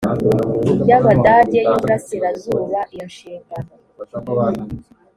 y abadage y u burasirazuba iyo nshingano